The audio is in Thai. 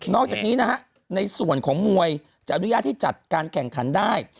อกจากนี้นะฮะในส่วนของมวยจะอนุญาตให้จัดการแข่งขันได้